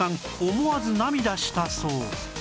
思わず涙したそう